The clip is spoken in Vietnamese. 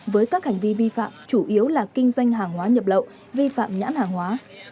với các hành vi vi phạm chủ yếu là kinh doanh hàng hóa nhập lậu vi phạm nhãn hàng hóa